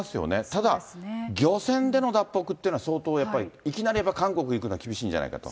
ただ、漁船での脱北っていうのは、相当やっぱり、いきなり韓国に行くのは厳しいんじゃないかと。